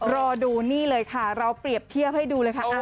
รอดูนี่เลยค่ะเราเปรียบเทียบให้ดูเลยค่ะ